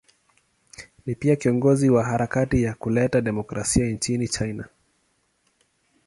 Ni pia kiongozi wa harakati ya kuleta demokrasia nchini China.